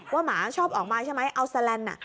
หมาชอบออกมาใช่ไหมเอาแสลนด์